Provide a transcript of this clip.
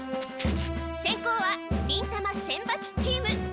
先攻は忍たま選抜チーム。